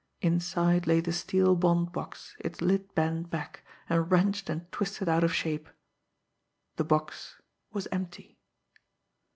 Inside lay the steel bond box, its lid bent back, and wrenched and twisted out of shape. The box was empty.